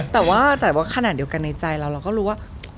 แต่ว่าขนาดเดียวกันในใจเราก็รู้ว่า